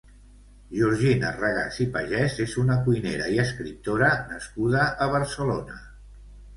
Georgina Regàs i Pagès és una cuinera i escriptora nascuda a Barcelona.